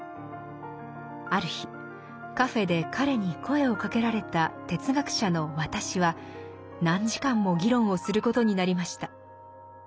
ある日カフェで彼に声をかけられた哲学者の「私」は何時間も議論をすることになりました。